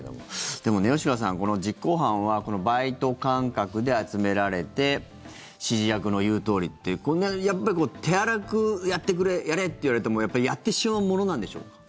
でもね吉川さん、この実行犯はバイト感覚で集められて指示役の言うとおりってこれ、やっぱり手荒くやってくれやれって言われてもやっぱり、やってしまうものなんでしょうか？